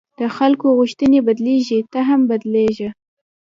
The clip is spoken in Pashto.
د خلکو غوښتنې بدلېږي، ته هم بدلېږه.